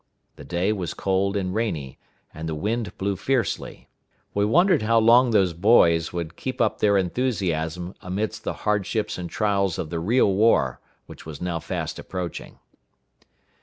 The day was cold and rainy, and the wind blew fiercely. We wondered how long those boys would keep up their enthusiasm amidst the hardships and trials of the real war which was now fast approaching.